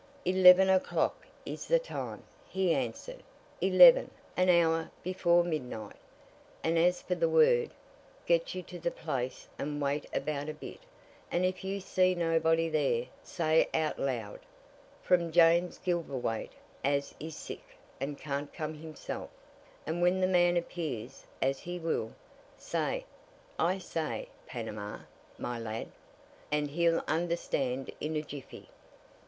"Eleven o'clock is the time," he answered. "Eleven an hour before midnight. And as for the word get you to the place and wait about a bit, and if you see nobody there, say out loud, 'From James Gilverthwaite as is sick and can't come himself'; and when the man appears, as he will, say aye! say 'Panama,' my lad, and he'll understand in a jiffy!"